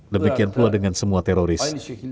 demikian pula dengan semua teroris